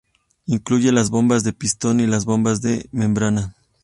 Incluye las bombas de pistón y las bombas de membrana.